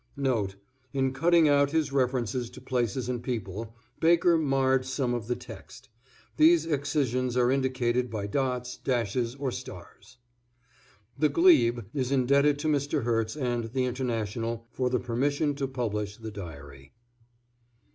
A. K. Note: In cutting out his references to places and people, Baker marred some of the text. These excisions are indicated by dots, dashes or stars. THE GLEBE is indebted to Mr. Herts and "The International" for the permission to publish the diary.